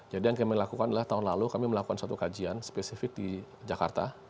jadi yang kami lakukan adalah tahun lalu kami melakukan satu kajian spesifik di jakarta